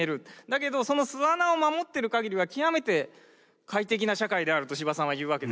だけどその巣穴を守ってるかぎりは極めて快適な社会であると司馬さんは言うわけですよ。